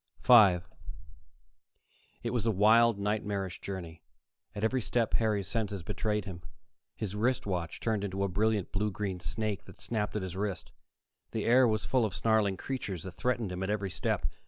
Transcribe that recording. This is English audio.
5 It was a wild, nightmarish journey. At every step, Harry's senses betrayed him: his wrist watch turned into a brilliant blue green snake that snapped at his wrist; the air was full of snarling creatures that threatened him at every step.